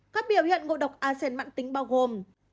các biểu hiện ngộ độc a sen mạng tính bao gồm